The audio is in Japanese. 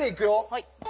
はい。